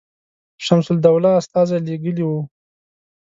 شمس الدوله استازی لېږلی وو.